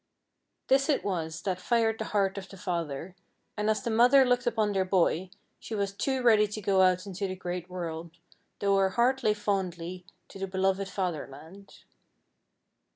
This it was that fired the heart of the father; and as the mother looked upon their boy, she too was ready to go out into the great world, though her heart lay fondly to the beloved Fatherland.